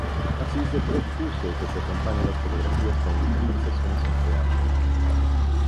Así se propuso que se acompaña a las fotografías con conversaciones entre ambos.